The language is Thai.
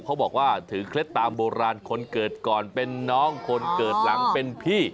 เขาบอกว่าถือเคล็ดตามโบราณคนเกิดก่อนเป็นน้องคนเกิดหลังเป็นพี่